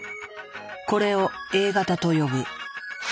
これをＡ型と呼ぶ。